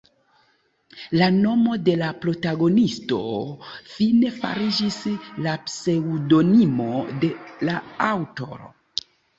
La nomo de la protagonisto fine fariĝis la pseŭdonimo de la aŭtoro.